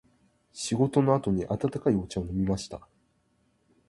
仕事の後に温かいお茶を飲みました。